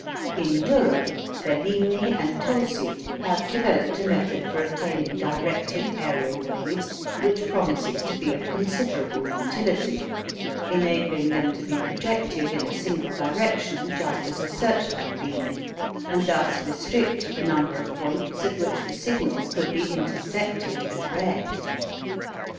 In Europe Bellini and Tosi have developed a method for obtaining directed aerial waves which promises to be of considerable utility, enabling them to be projected in a single direction just as a searchlight beam and thus restrict the number of points at which the signals could be intercepted and read.